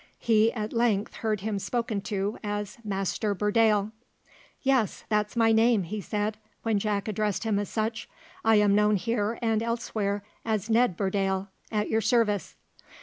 He at length heard him spoken to as Master Burdale. "Yes, that's my name," he said, when Jack addressed him as such; "I am known here and elsewhere as Ned Burdale, at your service."